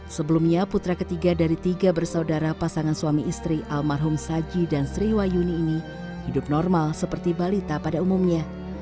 sebelumnya putra ketiga dari tiga bersaudara pasangan suami istri almarhum saji dan sriwayuni ini hidup normal seperti balita pada umumnya